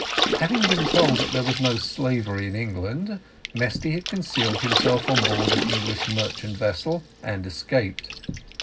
Having been told that there was no slavery in England, Mesty had concealed himself on board an English merchant vessel, and escaped.